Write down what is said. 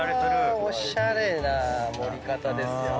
これはおしゃれな盛り方ですよ。